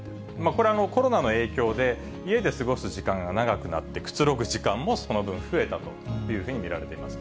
これはコロナの影響で、家で過ごす時間が長くなってくつろぐ時間もその分増えたというふうに見られています。